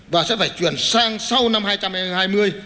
và sẽ phải chuyển sang sau năm hai nghìn hai mươi